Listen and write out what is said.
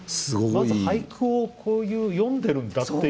まず俳句をこういう詠んでるんだっていう